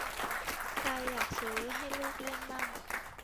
ใครอยากซื้อให้ลูกเล่นมั่ง